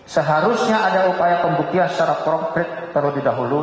seharusnya ada upaya pembuktian secara konkret terlebih dahulu